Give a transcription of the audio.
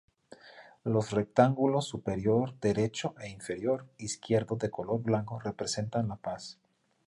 Los rectángulos superior derecho e inferior izquierdo de color blanco representan la paz.